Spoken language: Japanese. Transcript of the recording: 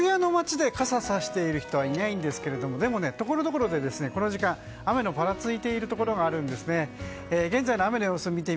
渋谷の街で傘をさしている人はいないんですけどでも、ところどころでこの時間雨のぱらついているところがあるんです。